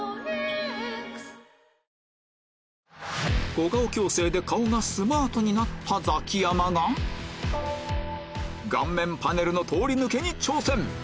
小顔矯正で顔がスマートになったザキヤマが顔面パネルの通り抜けに挑戦